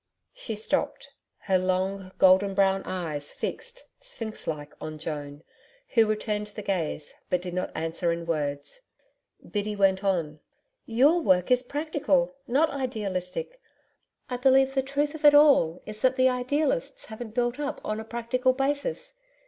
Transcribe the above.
She stopped, her long golden brown eyes fixed Sphinx like on Joan, who returned the gaze, but did not answer in words. Biddy went on: 'YOUR work is practical not idealistic. I believe the truth of it all is that the idealists haven't built up on a practical basis.